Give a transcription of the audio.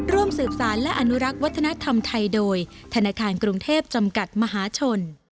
ร่วมสืบสารและอนุรักษ์วัฒนธรรมไทยโดยธนาคารกรุงเทพจำกัดมหาชน